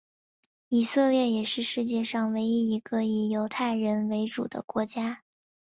以色列也是世界上唯一一个以犹太人为主的国家。